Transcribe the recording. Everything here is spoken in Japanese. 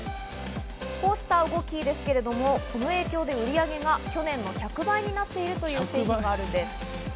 こうした動きですけれども、この影響で売上が去年の１００倍になっているという製品があるんです。